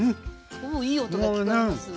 おおいい音が聞こえます。